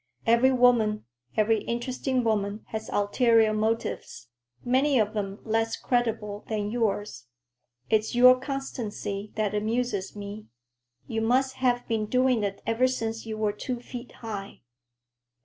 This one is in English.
Every woman, every interesting woman, has ulterior motives, many of 'em less creditable than yours. It's your constancy that amuses me. You must have been doing it ever since you were two feet high."